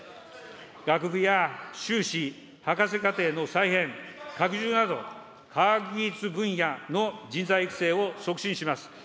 学部や修士・博士課程の再編、拡充など、科学技術分野の人材育成を促進します。